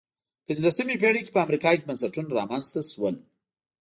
پنځلسمې پېړۍ کې په امریکا کې بنسټونه رامنځته شول.